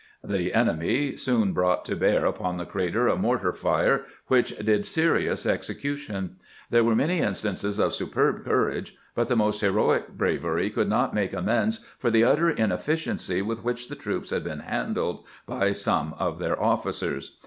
The enemy soon brought to bear upon the crater a mortar fire, which did serious execution. There were many instances of superb courage, but the most heroic bravery could not make amends for the utter inefficiency with which the troops had been handled by some of their officers.